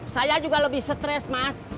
saya juga lebih stres mas